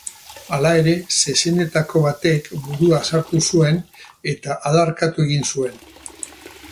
Hala ere, zezenetako batek burua sartu zuen, eta adarkatu egin zuen.